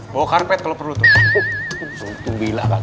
bawa karpet kalo perlu tuh